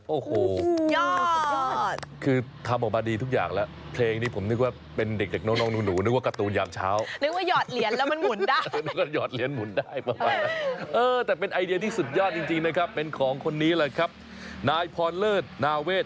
โอ้โหสุดยอดสุดยอดคือทำออกมาดีทุกอย่างแล้วเพลงนี้ผมนึกว่าเป็นเด็กเด็กน้องหนูนึกว่าการ์ตูนยามเช้านึกว่าหยอดเหรียญแล้วมันหมุนได้นึกว่าหยอดเหรียญหมุนได้ประมาณนั้นเออแต่เป็นไอเดียที่สุดยอดจริงนะครับเป็นของคนนี้เลยครับนายพรเลิศนาเวท